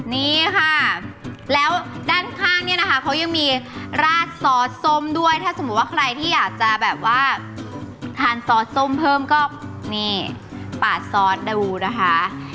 นี่ค่ะแล้วด้านข้างเนี่ยนะคะเขายังมีราดซอสส้มด้วยถ้าสมมุติว่าใครที่อยากจะแบบว่าทานซอสส้มเพิ่มก็นี่ปาดซอสดูนะคะ